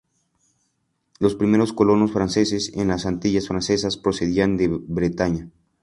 Los primeros colonos franceses en las Antillas francesas procedían de Bretaña.